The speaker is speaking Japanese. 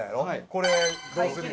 これどうするよ？